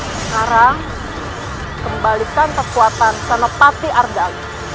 sekarang kembalikan kekuatan senopati ardal